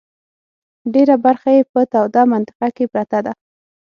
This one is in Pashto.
ډېره برخه یې په توده منطقه کې پرته ده.